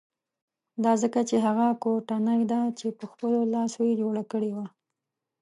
دا ځکه چې هغه کوټنۍ ده چې په خپلو لاسو یې جوړه کړې وه.